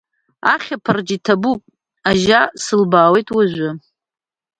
Ахьаԥарч иҭабуп, Ажьа, сылбаауеит уажәы.